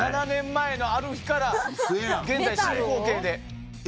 ７年前のある日から現在進行形で。